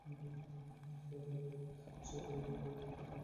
তারা তাদের সরকারের পক্ষের কাজ ও লক্ষ্যের প্রতি বেশিরভাগ সহানুভূতিশীল ছিল।